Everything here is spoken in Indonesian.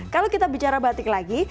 kalau kita bicara batik lagi